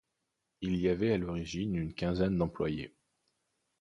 Il y avait à l'origine une quinzaine d'employés.